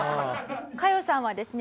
カヨさんはですね